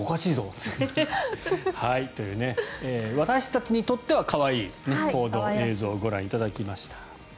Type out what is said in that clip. という私たちにとっては可愛い行動、映像をご覧いただきました。